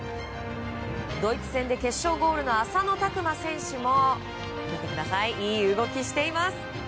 ドイツ戦で決勝ゴールの浅野拓磨選手もいい動きしています！